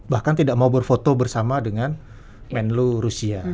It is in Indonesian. bahkan tidak mau berfoto bersama dengan menlu rusia